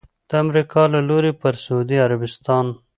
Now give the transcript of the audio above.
د امریکا له لوري پر سعودي عربستان